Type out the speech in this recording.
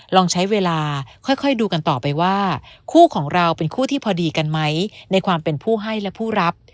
ลองใช้เวลาค่อยดูกันต่อไปว่าคู่ของเราเป็นคู่ที่พอดีกันไหมในความเป็นผู้ให้และผู้รับ